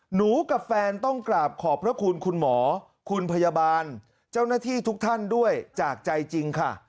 หนูกับแฟนต้องกราบขอบพระคุณคุณหมอคุณพยาบาลเจ้าหน้าที่ทุกท่านด้วยจากใจจริงค่ะ